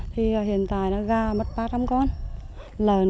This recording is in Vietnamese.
thì hiện tại nó ra mất ba trăm linh con